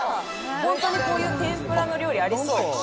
本当にこういう天ぷらの料理ありそう。